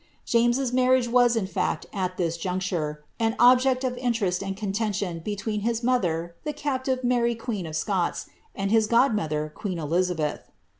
James's marriage waiSln laci, at this juncture, an olij^t of interest and contention between his mother, the captive .Marv i)u«n of Scots, and his godmother, queen Eliz.ibeth.